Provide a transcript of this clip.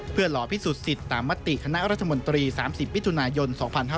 เพื่อรอพิสูจนสิทธิ์ตามมติคณะรัฐมนตรี๓๐มิถุนายน๒๕๕๙